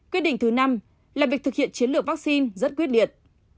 quyết định thứ năm là việc thực hiện chiến lược vaccine rất quyết liệt